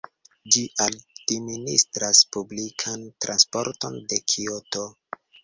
Ĝi administras publikan transporton de Kioto.